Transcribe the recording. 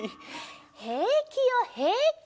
へいきよへいき。